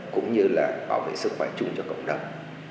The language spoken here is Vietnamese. cũng như là bảo vệ sức khỏe chung cho cộng đồng